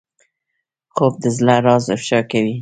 خوب د زړه راز افشا کوي